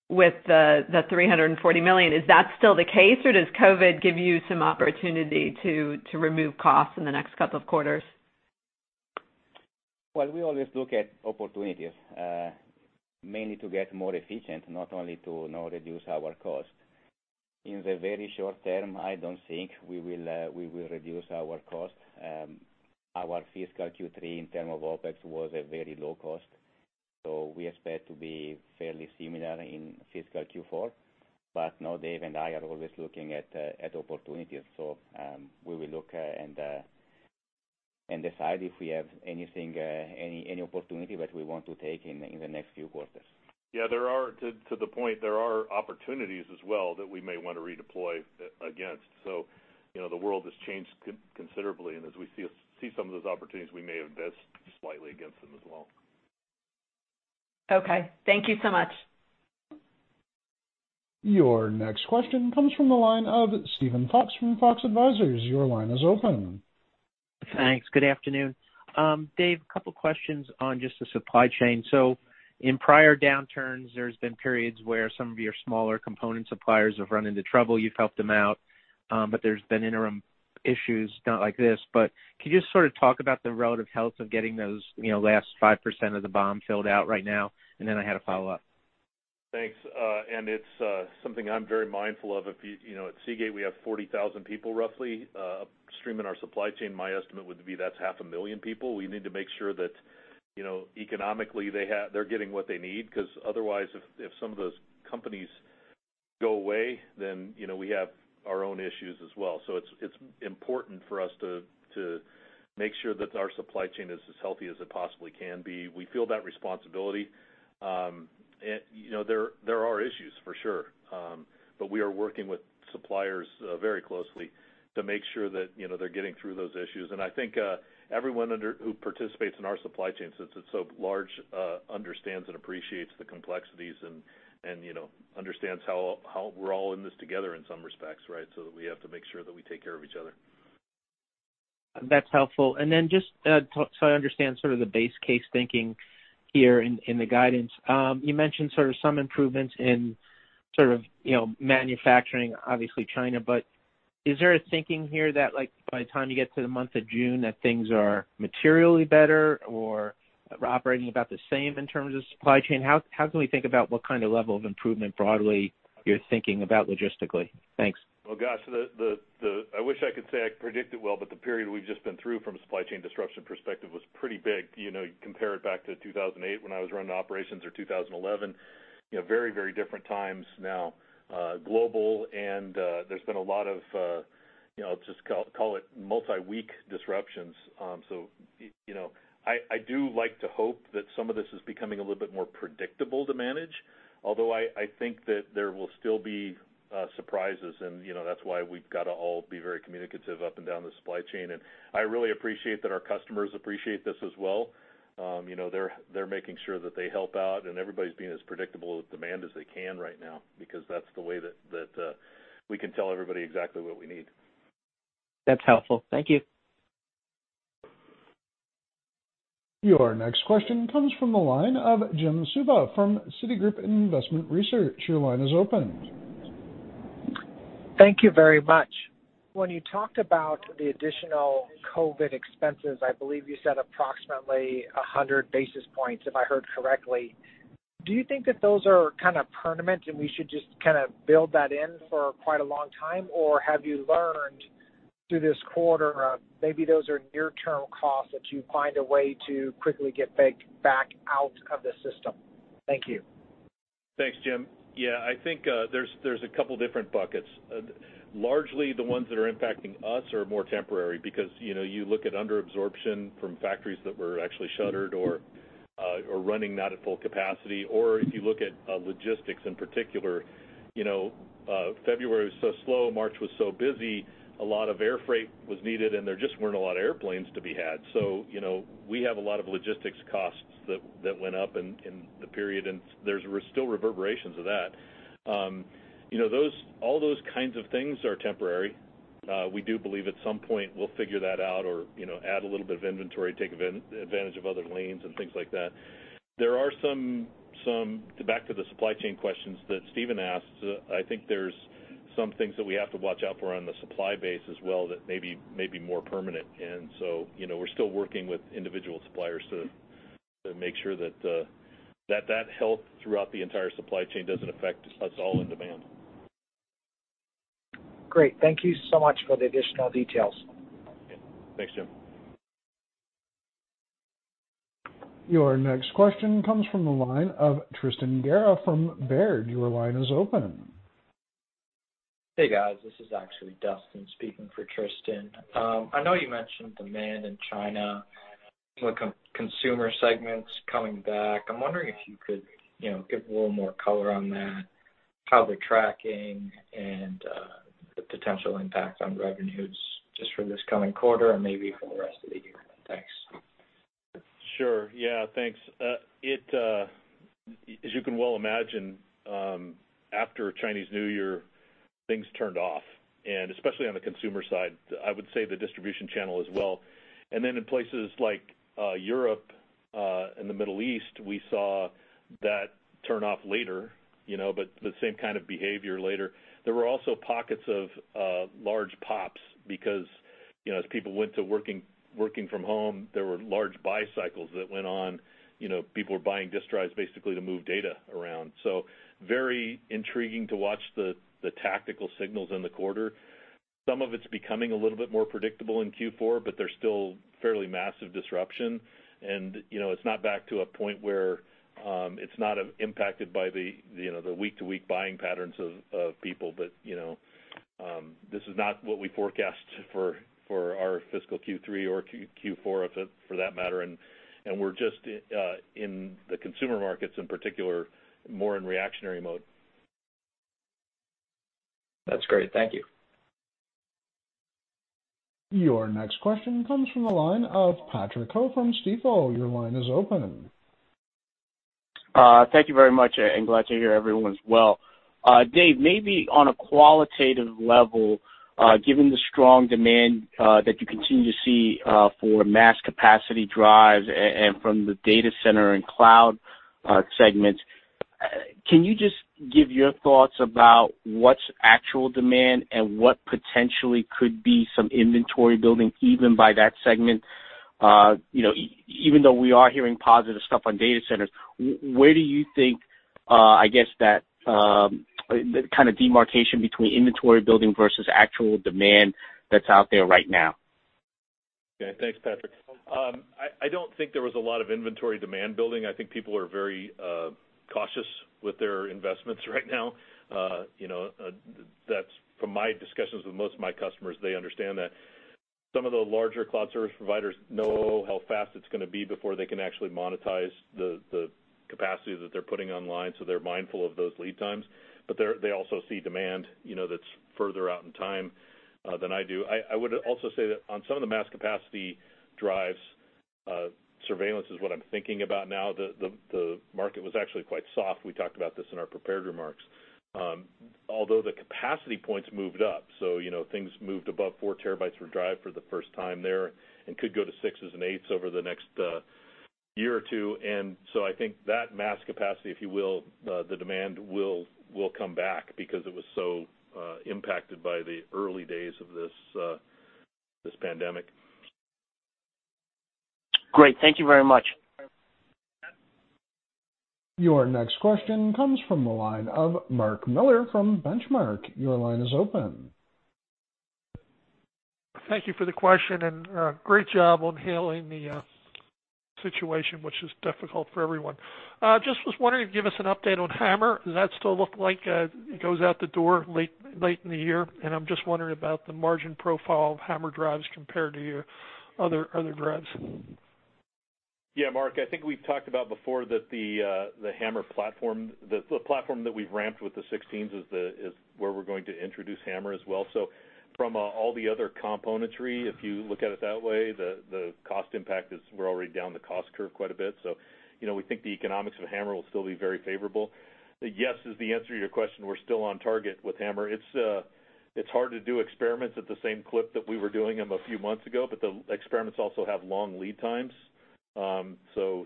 with the $340 million. Is that still the case, or does COVID give you some opportunity to remove costs in the next couple of quarters? Well, we always look at opportunities, mainly to get more efficient, not only to reduce our cost. In the very short term, I don't think we will reduce our cost. Our fiscal Q3 in terms of OpEx was a very low cost. We expect to be fairly similar in fiscal Q4. Dave and I are always looking at opportunities. We will look and decide if we have any opportunity that we want to take in the next few quarters. To the point, there are opportunities as well that we may want to redeploy against. The world has changed considerably, and as we see some of those opportunities, we may invest slightly against them as well. Okay. Thank you so much. Your next question comes from the line of Steven Fox from Fox Advisors. Your line is open. Thanks. Good afternoon. Dave, a couple questions on just the supply chain. In prior downturns, there's been periods where some of your smaller component suppliers have run into trouble. You've helped them out, but there's been interim issues, not like this. Could you just sort of talk about the relative health of getting those last 5% of the BOM filled out right now? I had a follow-up. Thanks. It's something I'm very mindful of. At Seagate, we have 40,000 people, roughly, upstream in our supply chain. My estimate would be that's half a million people. We need to make sure that economically they're getting what they need, because otherwise, if some of those companies go away, then we have our own issues as well. It's important for us to make sure that our supply chain is as healthy as it possibly can be. We feel that responsibility. There are issues, for sure, but we are working with suppliers very closely to make sure that they're getting through those issues. I think everyone who participates in our supply chain, since it's so large, understands and appreciates the complexities and understands how we're all in this together in some respects, right? That we have to make sure that we take care of each other. That's helpful. Just so I understand sort of the base case thinking here in the guidance, you mentioned sort of some improvements in sort of manufacturing, obviously China. Is there a thinking here that by the time you get to the month of June that things are materially better or operating about the same in terms of supply chain? How can we think about what kind of level of improvement broadly you're thinking about logistically? Thanks. Well, gosh, I wish I could say I predict it well, but the period we've just been through from a supply chain disruption perspective was pretty big. You compare it back to 2008 when I was running operations, or 2011, very different times now. Global. There's been a lot of, I'll just call it multi-week disruptions. I do like to hope that some of this is becoming a little bit more predictable to manage, although I think that there will still be surprises, and that's why we've got to all be very communicative up and down the supply chain. I really appreciate that our customers appreciate this as well. They're making sure that they help out, and everybody's being as predictable with demand as they can right now, because that's the way that we can tell everybody exactly what we need. That's helpful. Thank you. Your next question comes from the line of Jim Suva from Citigroup Investment Research. Your line is open. Thank you very much. When you talked about the additional COVID expenses, I believe you said approximately 100 basis points, if I heard correctly. Do you think that those are kind of permanent, and we should just kind of build that in for quite a long time? Have you learned through this quarter maybe those are near-term costs that you find a way to quickly get back out of the system? Thank you. Thanks, Jim. Yeah, I think there's a couple different buckets. Largely, the ones that are impacting us are more temporary because you look at under-absorption from factories that were actually shuttered or are running not at full capacity. If you look at logistics in particular, February was so slow, March was so busy, a lot of air freight was needed, and there just weren't a lot of airplanes to be had. We have a lot of logistics costs that went up in the period, and there's still reverberations of that. All those kinds of things are temporary. We do believe at some point we'll figure that out or add a little bit of inventory, take advantage of other lanes and things like that. Back to the supply chain questions that Steven asked, I think there's some things that we have to watch out for on the supply base as well that may be more permanent. We're still working with individual suppliers to make sure that health throughout the entire supply chain doesn't affect us all in demand. Great. Thank you so much for the additional details. Yeah. Thanks, Jim. Your next question comes from the line of Tristan Gerra from Baird. Your line is open. Hey, guys. This is actually Dustin speaking for Tristan. I know you mentioned demand in China, the consumer segments coming back. I'm wondering if you could give a little more color on that, how they're tracking, and the potential impact on revenues just for this coming quarter and maybe for the rest of the year. Thanks. Sure. Yeah, thanks. As you can well imagine, after Chinese New Year, things turned off, especially on the consumer side, I would say the distribution channel as well. In places like Europe and the Middle East, we saw that turn off later, the same kind of behavior later. There were also pockets of large pops because as people went to working from home, there were large buy cycles that went on. People were buying disk drives basically to move data around. Very intriguing to watch the tactical signals in the quarter. Some of it's becoming a little bit more predictable in Q4, there's still fairly massive disruption. It's not back to a point where it's not impacted by the week-to-week buying patterns of people. This is not what we forecast for our fiscal Q3 or Q4, for that matter. We're just, in the consumer markets in particular, more in reactionary mode. That's great. Thank you. Your next question comes from the line of Patrick Ho from Stifel. Your line is open. Thank you very much. Glad to hear everyone's well. Dave, maybe on a qualitative level, given the strong demand that you continue to see for mass capacity drives and from the data center and cloud segments, can you just give your thoughts about what's actual demand and what potentially could be some inventory building even by that segment? Even though we are hearing positive stuff on data centers, where do you think that demarcation between inventory building versus actual demand that's out there right now? Okay. Thanks, Patrick. I don't think there was a lot of inventory demand building. I think people are very cautious with their investments right now. From my discussions with most of my customers, they understand that some of the larger cloud service providers know how fast it's going to be before they can actually monetize the capacity that they're putting online, so they're mindful of those lead times. They also see demand that's further out in time than I do. I would also say that on some of the mass capacity drives, surveillance is what I'm thinking about now. The market was actually quite soft. We talked about this in our prepared remarks. The capacity points moved up, so things moved above 4 TB per drive for the first time there, and could go to sixes and eights over the next year or two. I think that mass capacity, if you will, the demand will come back because it was so impacted by the early days of this pandemic. Great. Thank you very much. Your next question comes from the line of Mark Miller from Benchmark. Your line is open. Thank you for the question. Great job on handling the situation, which is difficult for everyone. Just was wondering if you could give us an update on HAMR. Does that still look like it goes out the door late in the year? I'm just wondering about the margin profile of HAMR drives compared to your other drives. Yeah, Mark, I think we've talked about before that the HAMR platform, the platform that we've ramped with the 16s is where we're going to introduce HAMR as well. From all the other componentry, if you look at it that way, the cost impact is we're already down the cost curve quite a bit. We think the economics of HAMR will still be very favorable. Yes, is the answer to your question. We're still on target with HAMR. It's hard to do experiments at the same clip that we were doing them a few months ago, but the experiments also have long lead times.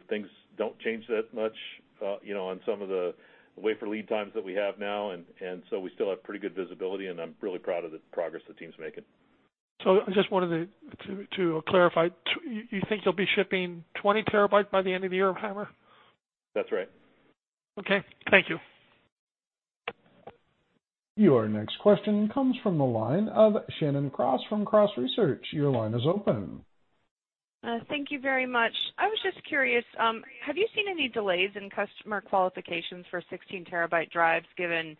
Things don't change that much on some of the wafer lead times that we have now. We still have pretty good visibility, and I'm really proud of the progress the team's making. I just wanted to clarify. You think you'll be shipping 20 TB by the end of the year of HAMR? That's right. Okay. Thank you. Your next question comes from the line of Shannon Cross from Cross Research. Your line is open. Thank you very much. I was just curious, have you seen any delays in customer qualifications for 16-TB drives, given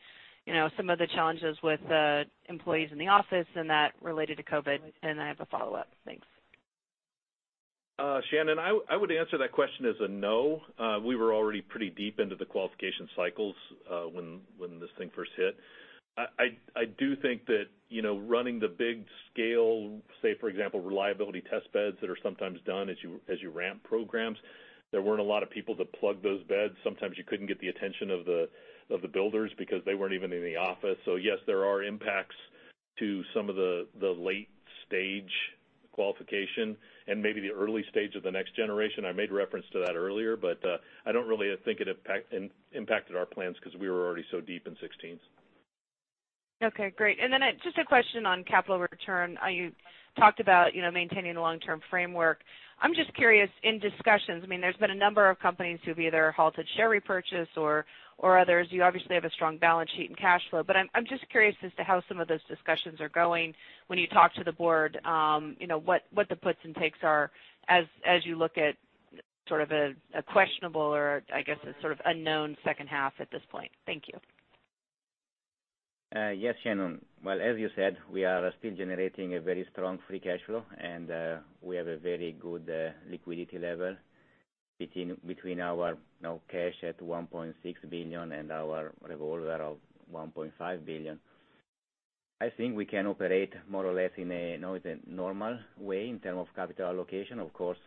some of the challenges with employees in the office and that related to COVID? I have a follow-up. Thanks. Shannon, I would answer that question as a no. We were already pretty deep into the qualification cycles when this thing first hit. I do think that running the big scale, say, for example, reliability test beds that are sometimes done as you ramp programs, there weren't a lot of people to plug those beds. Sometimes you couldn't get the attention of the builders because they weren't even in the office. Yes, there are impacts to some of the late stage qualification and maybe the early stage of the next generation. I made reference to that earlier, but I don't really think it impacted our plans because we were already so deep in 16s. Okay, great. Just a question on capital return. You talked about maintaining the long-term framework. I'm just curious, in discussions, there's been a number of companies who've either halted share repurchase or others. You obviously have a strong balance sheet and cash flow, but I'm just curious as to how some of those discussions are going when you talk to the board, what the puts and takes are as you look at sort of a questionable or, I guess, a sort of unknown second half at this point. Thank you. Yes, Shannon. Well, as you said, we are still generating a very strong free cash flow, and we have a very good liquidity level between our cash at $1.6 billion and our revolver of $1.5 billion. I think we can operate more or less in a normal way in terms of capital allocation. Of course,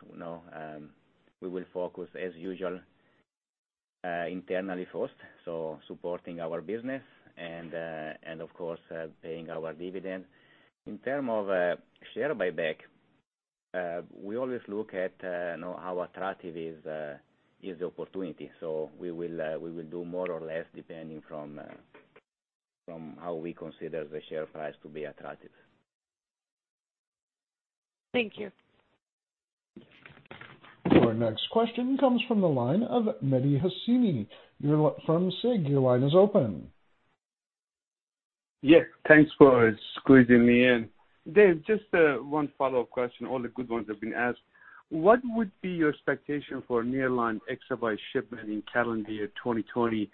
we will focus as usual internally first, so supporting our business and, of course, paying our dividend. In terms of share buyback, we always look at how attractive is the opportunity. We will do more or less depending from how we consider the share price to be attractive. Thank you. Our next question comes from the line of Mehdi Hosseini from SIG. Your line is open. Yes. Thanks for squeezing me in. Dave, just one follow-up question. All the good ones have been asked. What would be your expectation for Nearline exabyte shipment in calendar year 2020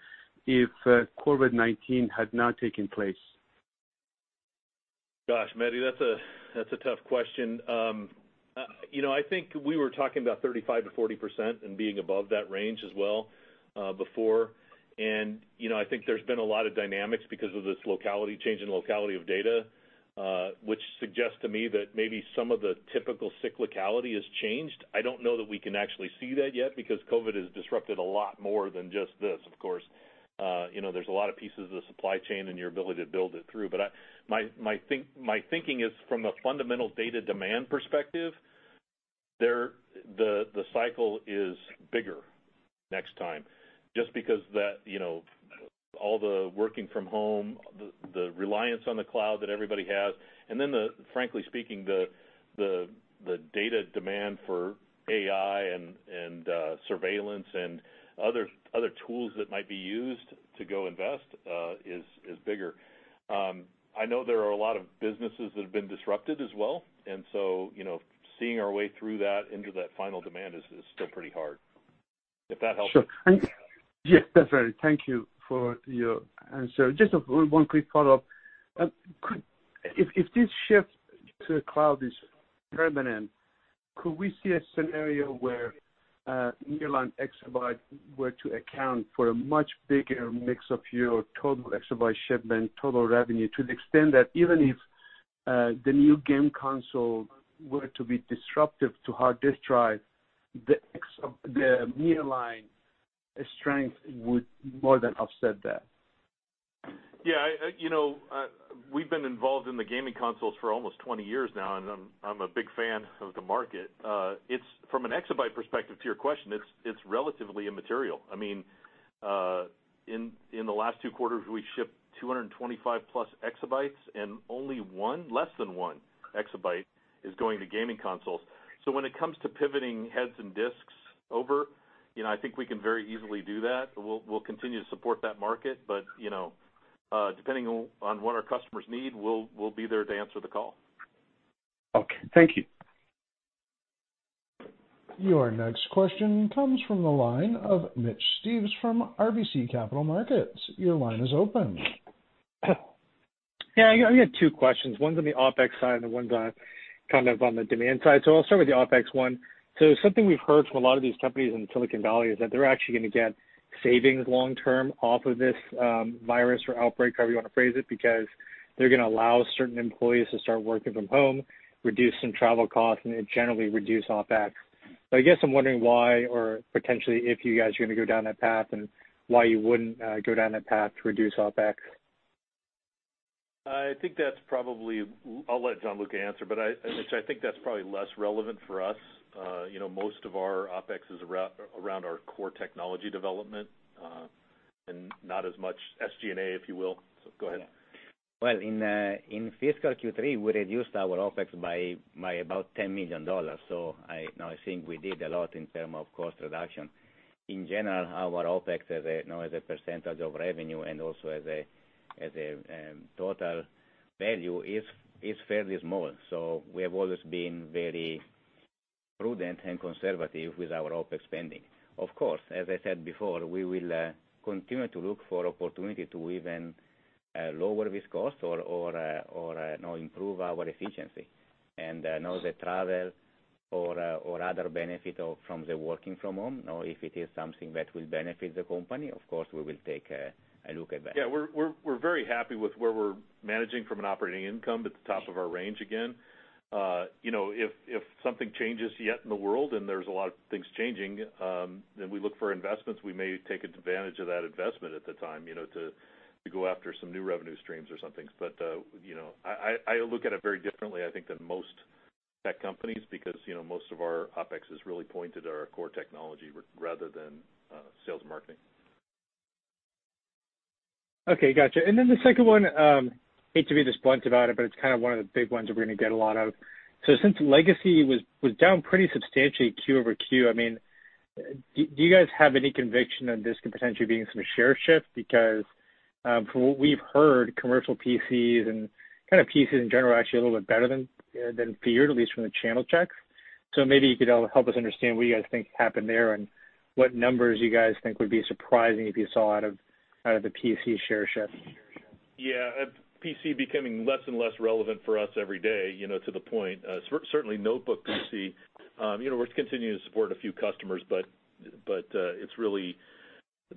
if COVID-19 had not taken place? Gosh, Mehdi, that's a tough question. I think we were talking about 35%-40% and being above that range as well, before. I think there's been a lot of dynamics because of this change in locality of data, which suggests to me that maybe some of the typical cyclicality has changed. I don't know that we can actually see that yet because COVID has disrupted a lot more than just this of course. There's a lot of pieces of the supply chain and your ability to build it through. My thinking is from a fundamental data demand perspective, the cycle is bigger next time just because all the working from home, the reliance on the cloud that everybody has, and then frankly speaking, the data demand for AI and surveillance and other tools that might be used to go invest is bigger. I know there are a lot of businesses that have been disrupted as well. Seeing our way through that into that final demand is still pretty hard. If that helps. Sure. Yes, that's right. Thank you for your answer. Just one quick follow-up. If this shift to the cloud is permanent, could we see a scenario where Nearline exabyte were to account for a much bigger mix of your total exabyte shipment, total revenue, to the extent that even if the new game console were to be disruptive to hard disk drive, the Nearline strength would more than offset that? Yeah. We've been involved in the gaming consoles for almost 20 years now, and I'm a big fan of the market. From an exabyte perspective to your question, it's relatively immaterial. In the last two quarters, we shipped 225+ exabytes, and only one, less than one exabyte is going to gaming consoles. When it comes to pivoting heads and disks over, I think we can very easily do that. We'll continue to support that market, depending on what our customers need, we'll be there to answer the call. Okay. Thank you. Your next question comes from the line of Mitch Steves from RBC Capital Markets. Your line is open. Yeah. I got two questions. One's on the OpEx side and one's on the demand side. I'll start with the OpEx one. Something we've heard from a lot of these companies in Silicon Valley is that they're actually going to get savings long term off of this virus or outbreak, however you want to phrase it, because they're going to allow certain employees to start working from home, reduce some travel costs, and it generally reduce OpEx. I guess I'm wondering why or potentially if you guys are going to go down that path and why you wouldn't go down that path to reduce OpEx. I think that's probably I'll let Gianluca answer, but Mitch, I think that's probably less relevant for us. Most of our OpEx is around our core technology development, and not as much SG&A, if you will. Go ahead. Well, in fiscal Q3, we reduced our OpEx by about $10 million. I think we did a lot in terms of cost reduction. In general, our OpEx as a percentage of revenue and also as a total value is fairly small. We have always been very prudent and conservative with our OpEx spending. Of course, as I said before, we will continue to look for opportunities to even lower this cost or improve our efficiency. Now the travel or other benefit from the working from home, if it is something that will benefit the company, of course, we will take a look at that. Yeah. We're very happy with where we're managing from an operating income at the top of our range again. If something changes yet in the world, and there's a lot of things changing, we look for investments. We may take advantage of that investment at the time to go after some new revenue streams or something. I look at it very differently, I think, than most tech companies because most of our OpEx is really pointed at our core technology rather than sales and marketing. Okay. Got you. The second one, hate to be this blunt about it, but it's one of the big ones that we're going to get a lot of. Since legacy was down pretty substantially QoQ, do you guys have any conviction on this could potentially being some share shift? From what we've heard, commercial PCs and kind of PCs in general are actually a little bit better than feared, at least from the channel checks. Maybe you could help us understand what you guys think happened there and what numbers you guys think would be surprising if you saw out of the PC share shift. Yeah. PC becoming less and less relevant for us every day, to the point. Certainly notebook PC. We're continuing to support a few customers,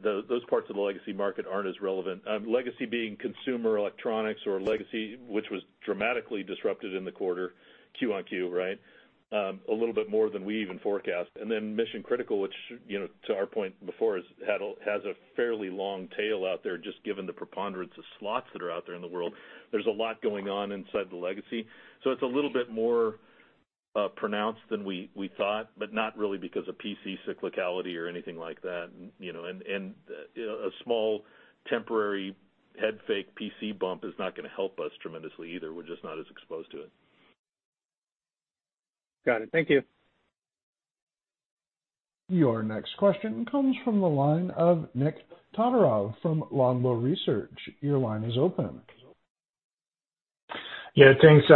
those parts of the legacy market aren't as relevant. Legacy being consumer electronics or legacy, which was dramatically disrupted in the quarter, quarter on quarter, right? A little bit more than we even forecast. Mission critical, which to our point before, has a fairly long tail out there just given the preponderance of slots that are out there in the world. There's a lot going on inside the legacy. It's a little bit more pronounced than we thought, not really because of PC cyclicality or anything like that. A small temporary head fake PC bump is not going to help us tremendously either. We're just not as exposed to it. Got it. Thank you. Your next question comes from the line of Nikolay Todorov from Longbow Research. Your line is open. Yeah, thanks.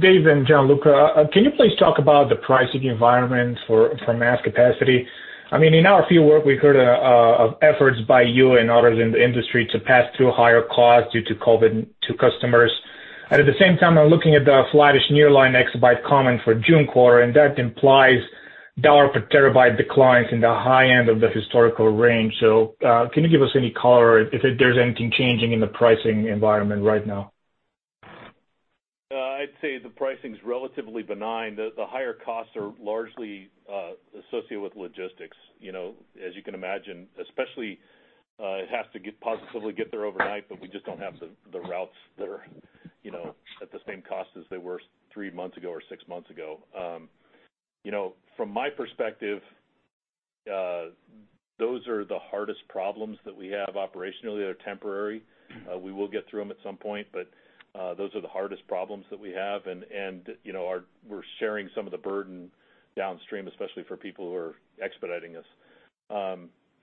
Dave and Gianluca, can you please talk about the pricing environment for mass capacity? In our field work, we heard of efforts by you and others in the industry to pass through higher costs due to COVID-19 to customers. At the same time, I'm looking at the flattish Nearline exabyte coming for June quarter, and that implies dollar per terabyte declines in the high end of the historical range. Can you give us any color if there's anything changing in the pricing environment right now? I'd say the pricing's relatively benign. The higher costs are largely associated with logistics. You can imagine, especially, it has to positively get there overnight, we just don't have the routes that are at the same cost as they were three months ago or six months ago. From my perspective, those are the hardest problems that we have operationally that are temporary. We will get through them at some point, those are the hardest problems that we have, and we're sharing some of the burden downstream, especially for people who are expediting us.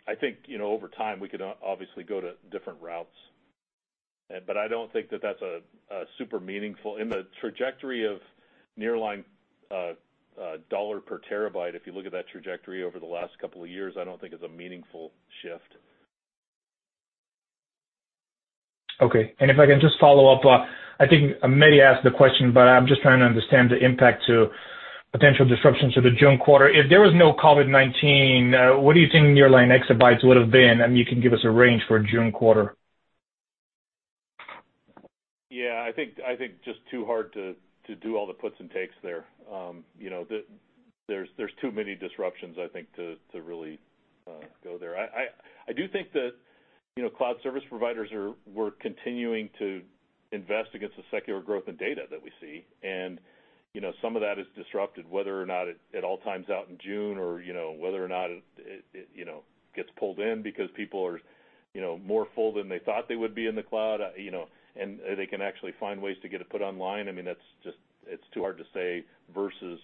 I think over time, we could obviously go to different routes. I don't think that that's super meaningful. In the trajectory of Nearline dollar per terabyte, if you look at that trajectory over the last couple of years, I don't think it's a meaningful shift. Okay. If I can just follow up. I think Mehdi asked the question, I'm just trying to understand the impact to potential disruptions to the June quarter. If there was no COVID-19, what do you think Nearline exabytes would've been? You can give us a range for June quarter. Yeah, I think just too hard to do all the puts and takes there. There's too many disruptions, I think, to really go there. I do think that cloud service providers, we're continuing to invest against the secular growth in data that we see. Some of that is disrupted, whether or not it all times out in June or whether or not it gets pulled in because people are more full than they thought they would be in the cloud, and they can actually find ways to get it put online. It's too hard to say versus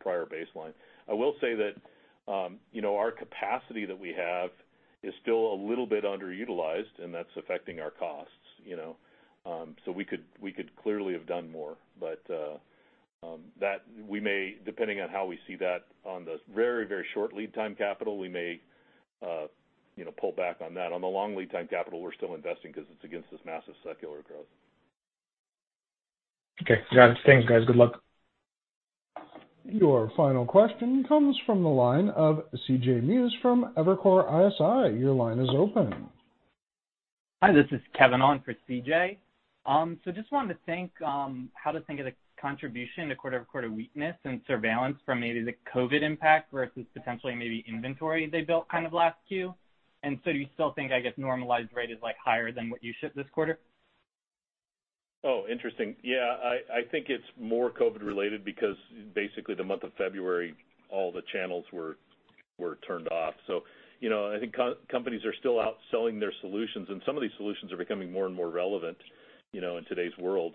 prior baseline. I will say that our capacity that we have is still a little bit underutilized, and that's affecting our costs. We could clearly have done more. Depending on how we see that on the very short lead time capital, we may pull back on that. On the long lead time capital, we're still investing because it's against this massive secular growth. Okay, got it. Thanks, guys. Good luck. Your final question comes from the line of CJ Muse from Evercore ISI. Your line is open. Hi, this is Kelvin on for CJ Just wanted to think how to think of the contribution to quarter-over-quarter weakness and surveillance from maybe the COVID impact versus potentially maybe inventory they built kind of last Q. Do you still think, I guess, normalized rate is higher than what you shipped this quarter? Oh, interesting. Yeah, I think it's more COVID-related because basically the month of February, all the channels were turned off. I think companies are still out selling their solutions, and some of these solutions are becoming more and more relevant in today's world.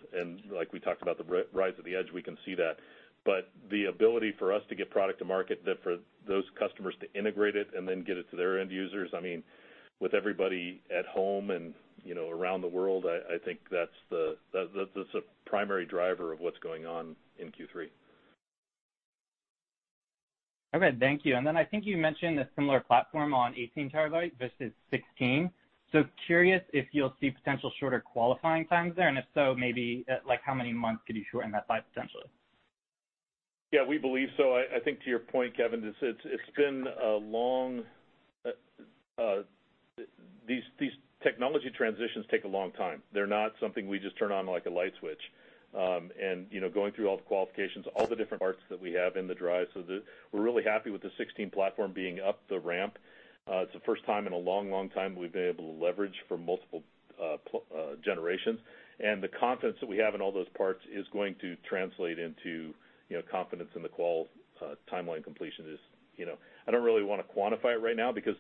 Like we talked about the rise of the edge, we can see that. The ability for us to get product to market, for those customers to integrate it and then get it to their end users, with everybody at home and around the world, I think that's a primary driver of what's going on in Q3. Okay, thank you. I think you mentioned a similar platform on 18 TB versus 16. Curious if you'll see potential shorter qualifying times there, and if so, maybe how many months could you shorten that by potentially? Yeah, we believe so. I think to your point, Kevin, these technology transitions take a long time. They're not something we just turn on like a light switch, going through all the qualifications, all the different parts that we have in the drive. We're really happy with the 16 platform being up the ramp. It's the first time in a long time we've been able to leverage for multiple generations, and the confidence that we have in all those parts is going to translate into confidence in the qual timeline completion is. I don't really want to quantify it right now because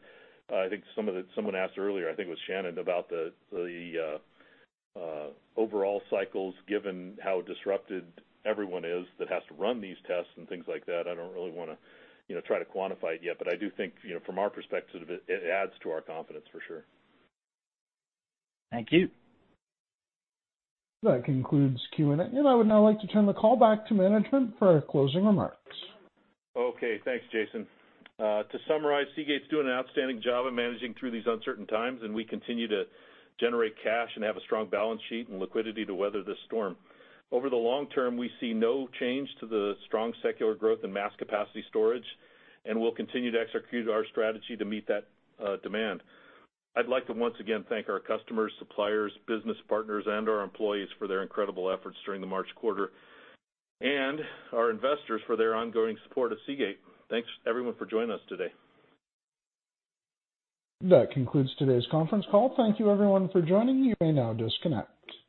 I think someone asked earlier, I think it was Shannon, about the overall cycles, given how disrupted everyone is that has to run these tests and things like that. I don't really want to try to quantify it yet, but I do think from our perspective, it adds to our confidence for sure. Thank you. That concludes Q&A, and I would now like to turn the call back to management for closing remarks. Okay, thanks, Jason. To summarize, Seagate's doing an outstanding job of managing through these uncertain times, and we continue to generate cash and have a strong balance sheet and liquidity to weather this storm. Over the long term, we see no change to the strong secular growth in mass capacity storage, and we'll continue to execute our strategy to meet that demand. I'd like to once again thank our customers, suppliers, business partners, and our employees for their incredible efforts during the March quarter, and our investors for their ongoing support of Seagate. Thanks everyone for joining us today. That concludes today's conference call. Thank you everyone for joining. You may now disconnect.